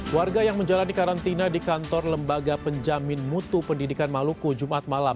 warga yang menjalani karantina di kantor lembaga penjamin mutu pendidikan maluku jumat malam